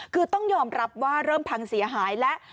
คือต้องยอมรับว่าเริ่มพังเสียหายแล้ว